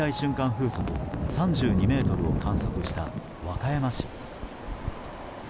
風速３２メートルを観測した、和歌山市。